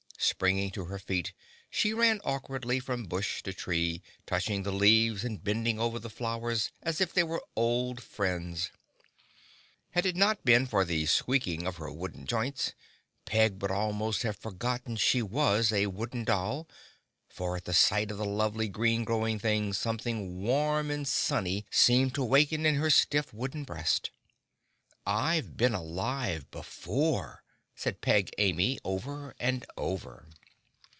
Springing to her feet she ran awkwardly from bush to tree, touching the leaves and bending over the flowers as if they were old friends. Had it not been for the squeaking of her wooden joints, Peg would almost have forgotten she was a Wooden Doll, for at the sight of the lovely green growing things something warm and sunny seemed to waken in her stiff wooden breast. "I've been alive before," said Peg Amy over and over.